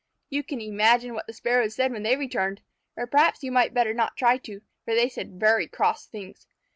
You can imagine what the Sparrows said when they returned. Or perhaps you might better not try to, for they said very cross things.